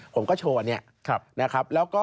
ผมก็โชว์อันหนึ่ง